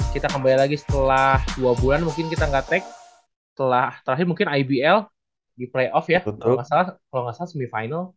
kita kembali lagi setelah dua bulan mungkin kita enggak teks telah terakhir mungkin ibl di playoff